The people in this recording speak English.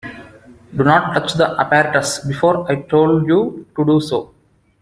Do not touch the apparatus before I told you to do so.